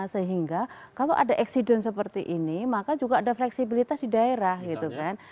sehingga kalau ada eksiden seperti ini maka juga ada fleksibilitas di daerah gitu kan